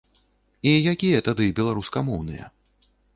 І якія тады беларускамоўныя?